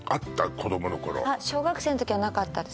子供の頃あっ小学生の時はなかったです